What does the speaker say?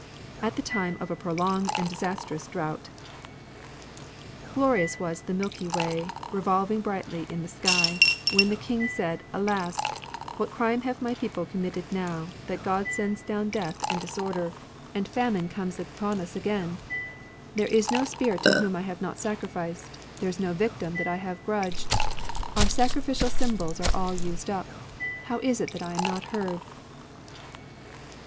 at the time of a prolonged and disastrous drought :— Glorious was the Milky Way, Revolving brightly in the sky, When the king said, Alas ! What crime have my people committed now. That God sends down death and disorder, 20 THE ANCIENT EAITH And famine comeB upon us again ? There is no spirit to whom I have not sacrificed ; There is no victim that I have grudged ; Our sacrificial symbols are all used up ;— How is it that I am not heard